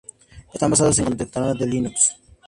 Están basados en Contenedores Linux.